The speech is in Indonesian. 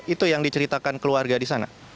itu yang diceritakan keluarga di sana